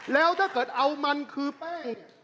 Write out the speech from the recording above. แล้วถ้าเกิดเอามันคือแป้ง